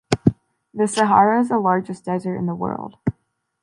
The Sahara is the largest desert in the world.